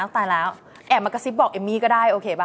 ตายแล้วแอบมากระซิบบอกเอมมี่ก็ได้โอเคป่